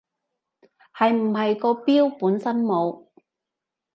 係唔係個表本身冇